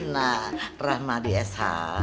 nah rahmadi sh